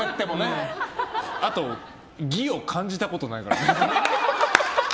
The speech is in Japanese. あと技を感じたことないから。